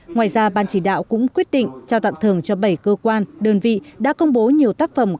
ngoài ra ban chỉ đạo cũng quyết định trao tặng thường cho bảy cơ quan đơn vị đã công bố nhiều tác phẩm